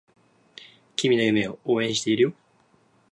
君の夢を応援しているよ